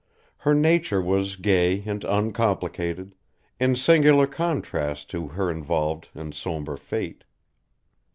Her nature was gay and uncomplicated, in singular contrast to her involved and sombre fate.